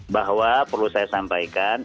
bahwa perlu saya sampaikan